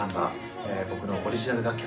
僕のオリジナル楽曲